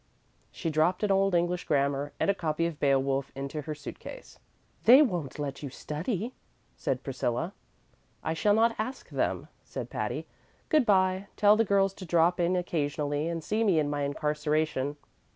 She dropped an Old English grammar and a copy of "Beowulf" into her suit case. "They won't let you study," said Priscilla. "I shall not ask them," said Patty. "Good by. Tell the girls to drop in occasionally and see me in my incarceration.